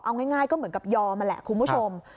เอาง่ายก็เหมือนกับยอมนั่นแหละคุณผู้ชม